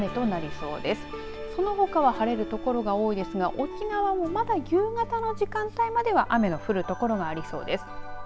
そのほかは晴れる所が多いですが沖縄もまだ夕方の時間帯までは雨の降る所がありそうです。